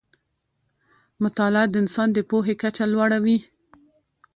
مطالعه د انسان د پوهې کچه لوړه وي